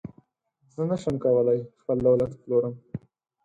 زه نشم کولای خپل دولت وپلورم.